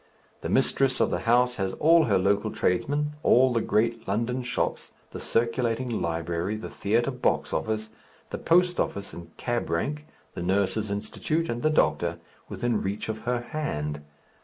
The mistress of the house has all her local tradesmen, all the great London shops, the circulating library, the theatre box office, the post office and cab rank, the nurses' institute and the doctor, within reach of her hand.